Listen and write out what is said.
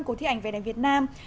của thiết ảnh về đám việt nam